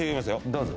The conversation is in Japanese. どうぞ。